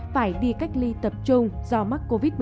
phải đi cách ly tập trung do mắc covid một mươi chín